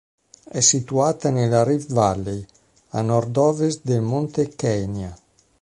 È situata nella Rift Valley, a nord-ovest del Monte Kenya.